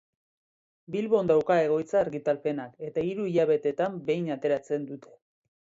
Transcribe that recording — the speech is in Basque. Bilbon dauka egoitza argitalpenak, eta hiru hilabetean behin ateratzen dute.